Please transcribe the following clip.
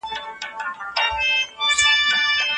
پښتانه لکه مګس ورباندي ګرځي